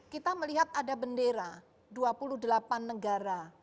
kita melihat ada bendera dua puluh delapan negara